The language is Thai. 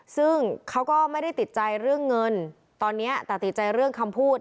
ซึ่งเขาก็ไม่ได้ติดใจเรื่องเงินตอนนี้แต่ติดใจเรื่องคำพูด